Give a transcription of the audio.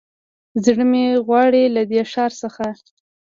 زړه مې غواړي له دې ښار څخه